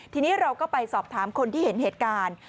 ทีนี้เราก็ไปสอบถามคนที่เห็นเหตุการณ์